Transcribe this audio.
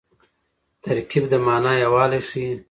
ترکیب د مانا یووالی ښيي.